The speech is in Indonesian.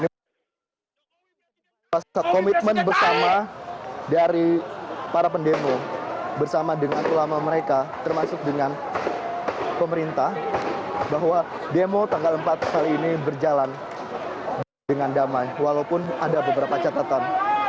rasa komitmen bersama dari para pendemo bersama dengan ulama mereka termasuk dengan pemerintah bahwa demo tanggal empat kali ini berjalan dengan damai walaupun ada beberapa catatan